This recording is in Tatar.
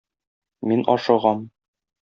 Мин ашыгам.